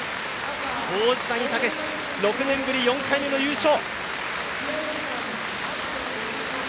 王子谷剛志６年ぶり４回目の優勝！